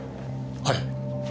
はい。